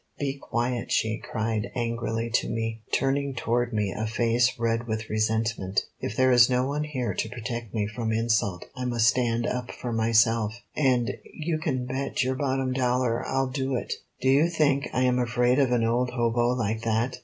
"Be quiet," she cried angrily to me, turning toward me a face red with resentment; "if there is no one here to protect me from insult I must stand up for myself, and you can bet your bottom dollar I'll do it. Do you think I am afraid of an old hobo like that?"